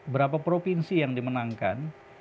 berapa provinsi yang dimenangkan